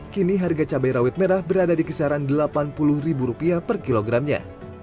kini harga cabai rawit merah berada di kisaran rp delapan puluh per kilogramnya